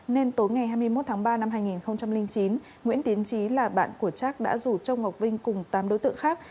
nên tối ngày hai mươi một tháng ba năm hai nghìn chín nguyễn tiến trí là bạn của trác đã rủ châu ngọc vinh cùng tám đối tượng khác